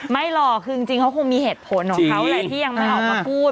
ไม่หรอกคือจริงเขาคงมีเหตุผลของเขาแหละที่ยังไม่ออกมาพูด